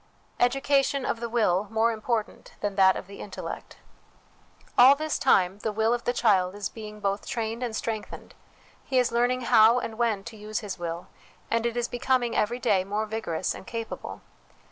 Education of the Will more important than that of the Intellect. All this time, the will of the child is being both trained and strengthened ; he is learning how and when to use his will, and it is becoming every day more vigorous and capable.